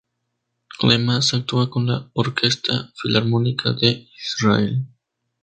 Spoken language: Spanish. Además, actúa con la Orquesta Filarmónica de Israel.